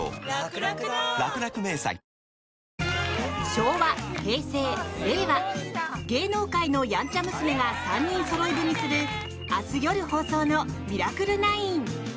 昭和、平成、令和芸能界のやんちゃ娘が３人そろい踏みする明日夜放送の「ミラクル９」。